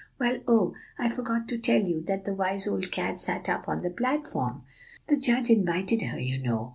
Well, oh! I forgot to tell you that the wise old cat sat up on the platform, the judge invited her, you know.